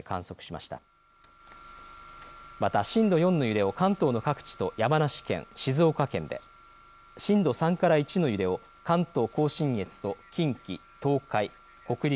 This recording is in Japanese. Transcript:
また震度４の揺れを関東の各地と山梨県、静岡県で震度３から１の揺れを関東甲信越と近畿、東海、北陸